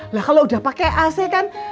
lah kalau udah pakai ac kan